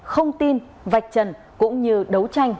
không tin vạch trần cũng như đấu tranh